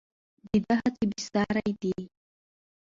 د ده هڅې بې ساري دي.